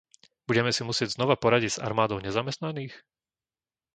Budeme si musieť znova poradiť s armádou nezamestnaných?